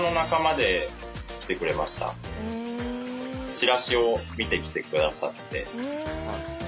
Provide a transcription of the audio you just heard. チラシを見て来てくださって。